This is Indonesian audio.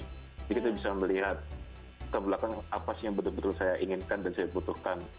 jadi kita bisa melihat ke belakang apa sih yang betul betul saya inginkan dan saya butuhkan